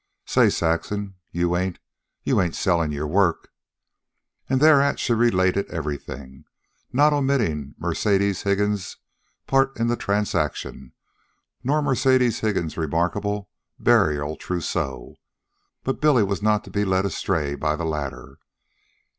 "Say, Saxon, you ain't... you ain't... sellin' your work?" And thereat she related everything, not omitting Mercedes Higgins' part in the transaction, nor Mercedes Higgins' remarkable burial trousseau. But Billy was not to be led aside by the latter.